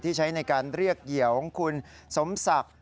ใช้ในการเรียกเหยื่อของคุณสมศักดิ์